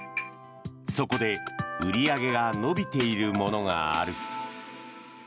そこで、売り上げが伸びているものがある。